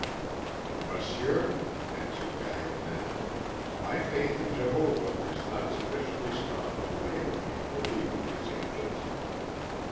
"Monsieur," answered Gaétan, "my faith in Jehovah is not sufficiently strong to enable me to believe in his angels."